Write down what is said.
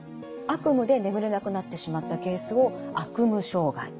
悪夢で眠れなくなってしまったケースを悪夢障害。